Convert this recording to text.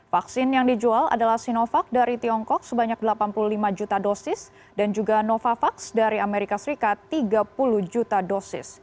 vaksin yang dijual adalah sinovac dari tiongkok sebanyak delapan puluh lima juta dosis dan juga novavax dari amerika serikat tiga puluh juta dosis